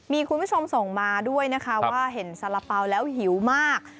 มีคุณผู้ชมส่งมาด้วยนะคะว่าเห็นสาระเป๋าแล้วหิวมาก